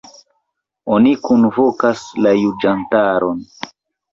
Oni kunvokos la juĝantaron.